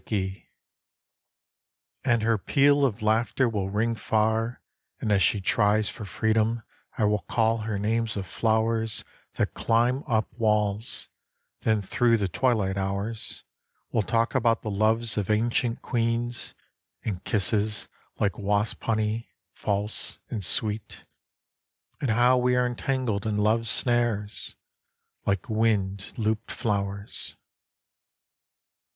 " 48 THOUGHTS AT THE TRYSTING STILE And her peal Of laughter will ring far, and as she tries For freedom I will call her names of flowers That climb up walls; then thro' the twilight hours We'll talk about the loves of ancient queens, And kisses like wasp honey, false and sweet, And how we are entangled in love's snares Like wind looped flowers.